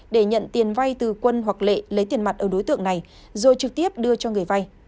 để nhận tiền vay từ quân hoặc lệ lấy tiền mặt ở đối tượng này rồi trực tiếp đưa cho người vay